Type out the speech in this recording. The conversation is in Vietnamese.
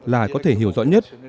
là có thể hiểu rõ nhất